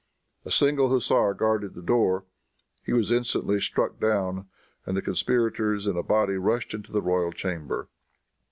A single hussar guarded the door. He was instantly struck down, and the conspirators in a body rushed into the royal chamber.